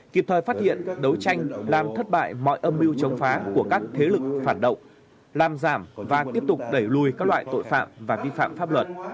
kịp thời phát hiện đấu tranh làm thất bại mọi âm mưu chống phá của các thế lực phản động làm giảm và tiếp tục đẩy lùi các loại tội phạm và vi phạm pháp luật